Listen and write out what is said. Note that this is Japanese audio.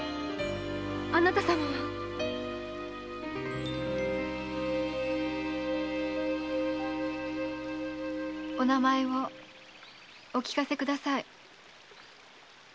あなた様は⁉お名前をお聞かせください。